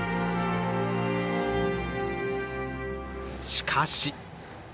しかし。